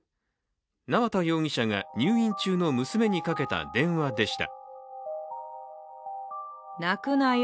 縄田容疑者が入院中の娘にかけた電話でした。